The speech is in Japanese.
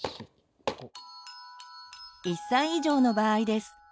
１歳以上の場合です。